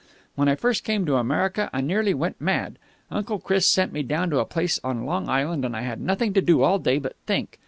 When I first came to America, I nearly went mad. Uncle Chris sent me down to a place on Long Island, and I had nothing to do all day but think.